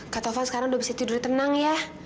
kak taufan sekarang udah bisa tidur tenang ya